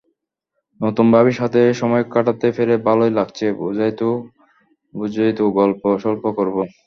নতুন ভাবীর সাথে সময় কাটাতে পেরে ভালই লাগছে, বুঝোই তো, গল্প-সল্প করব।